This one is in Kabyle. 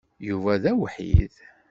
Yuba d awḥid.